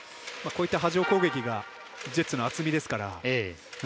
こういった波状攻撃がジェッツの厚みですから。